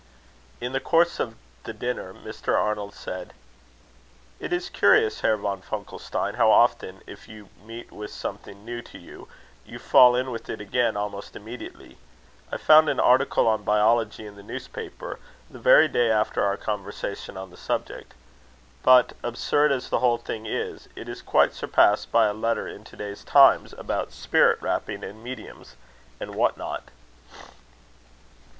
In the course of the dinner, Mr. Arnold said: "It is curious, Herr von Funkelstein, how often, if you meet with something new to you, you fall in with it again almost immediately. I found an article on Biology in the newspaper, the very day after our conversation on the subject. But absurd as the whole thing is, it is quite surpassed by a letter in to day's Times about spirit rapping and mediums, and what not!"